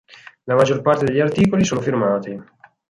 La maggior parte degli articoli sono firmati.